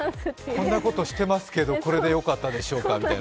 こんなことしてますけどこれでよかったでしょうかみたい。